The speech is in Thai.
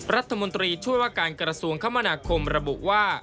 รัฐมนตรีช่วยว่าการกระทรวงคมนาคมระบุว่า